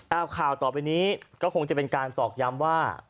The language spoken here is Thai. เอาข่าวต่อไปนี้ก็คงจะเป็นการตอกย้ำว่า